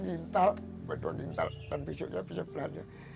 nintal baru nintal dan besoknya bisa belanja